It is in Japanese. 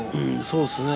そうですね。